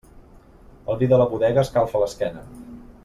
El vi de la bodega escalfa l'esquena.